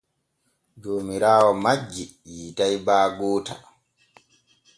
Joomiraawo majji yiitay baa goota.